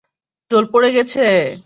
Toll পড়ে গেছে!